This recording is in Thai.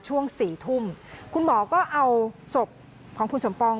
ช่วงสี่ทุ่มคุณหมอก็เอาศพของคุณสมปอง